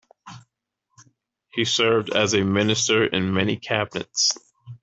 He served as a minister in many cabinets.